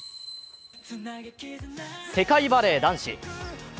世界バレー男子。